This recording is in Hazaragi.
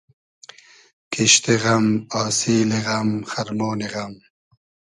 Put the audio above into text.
کیشت غئم آسیلی غئم خئرمۉنی غئم